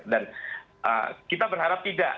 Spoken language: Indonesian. dan kita berharap tidak